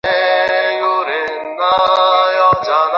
আমার প্রায় সারা বছরই সর্দি লেগে থাকে।